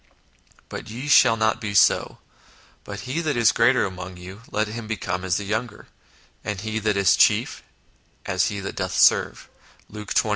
But ye shall not be so : but he that is the greater among you, let him become as the younger ; and he that is chief, as he that doth serve" (Luke xxii.